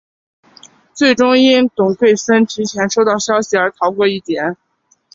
最终因董桂森提前收到消息而逃过一劫。